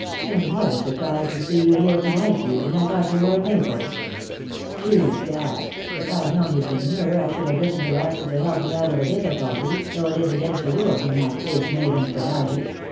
And what a surprise to see you here to night, Loo, when I thought you were in Naples ! Egad, if I'd known you'd been nearer I should have written to ask you to help me out of a difficulty, though it is against the rules in that case made and provided.